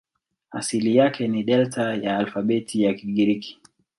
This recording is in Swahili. Asili yake ni Delta ya alfabeti ya Kigiriki.